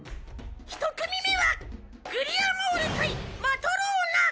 一組目はグリアモール対マトローナ！